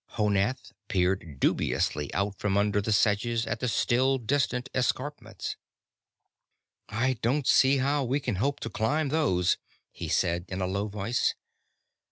Honath peered dubiously out from under the sedges at the still distant escarpments. "I don't see how we can hope to climb those," he said, in a low voice.